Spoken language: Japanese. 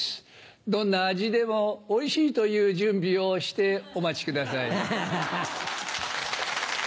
どんな味でもおいしいと言う準備をしてお待ち下さい。